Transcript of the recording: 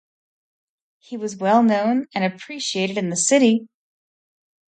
He was well known and appreciated in the city.